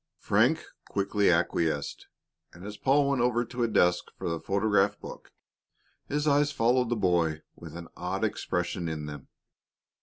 Frank quickly acquiesced, and as Paul went over to a desk for the photograph book, his eyes followed the boy with an odd expression in them.